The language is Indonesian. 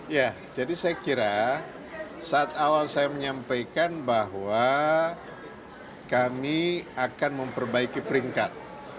ya jadi saya kira saat awal saya menyampaikan bahwa kami akan memperbaiki peringkat